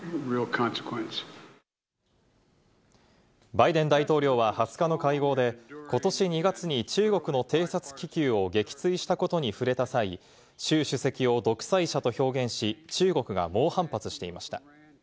バイデン大統領は２０日の会合で、ことし２月に中国の偵察気球を撃墜したことに触れた際、シュウ主席を独裁者と表現し、中国が猛反発していました。